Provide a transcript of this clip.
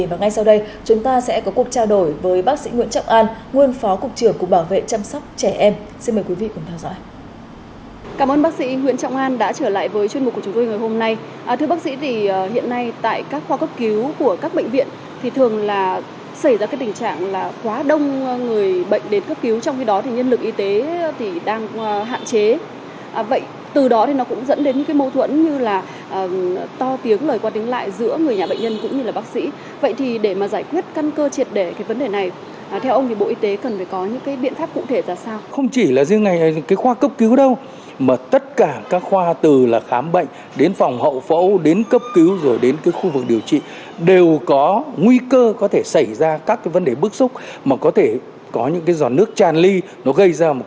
và ngay sau đây chúng ta sẽ có cuộc trao đổi với bác sĩ nguyễn trọng an nguồn phó cục trưởng của bảo vệ chăm sóc trẻ em